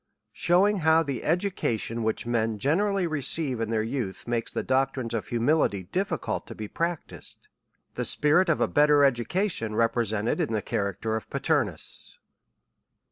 Shewi7ig how the Education lohichmen generally re ceive in their youth, makes the doctrines of Humi lity difficult to he practised. The spirit of a better Education represented in the character o/'Paternus.